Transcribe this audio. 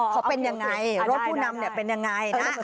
ขอเป็นยังไงรถผู้นำเป็นยังไง